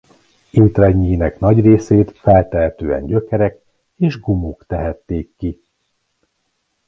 Étrendjének nagy részét feltehetően gyökerek és gumók tehették ki.